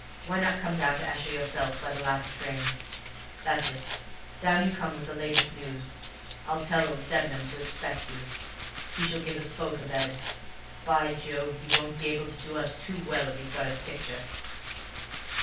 Why not come down to Esher yourself by the last train? That's it down you come with the latest news! I'll tell old Debenham to expect you: he shall give us both a bed. By Jove! he won't be able to do us too well if he's got his picture."